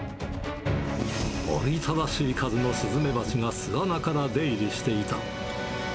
おびただしい数のスズメバチが巣穴から出入りしていた。